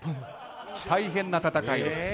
大変な戦いです。